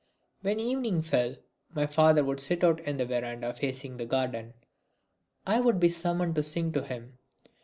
When evening fell, my father would sit out in the verandah facing the garden. I would then be summoned to sing to him.